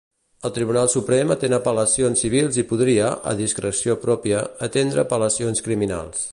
El Tribunal Suprem atén apel·lacions civils i podria, a discreció pròpia, atendre apel·lacions criminals.